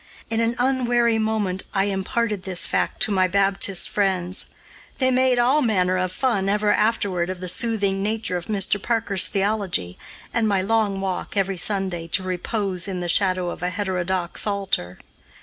In an unwary moment I imparted this fact to my Baptist friends. They made all manner of fun ever afterward of the soothing nature of Mr. Parker's theology, and my long walk, every Sunday, to repose in the shadow of a heterodox altar.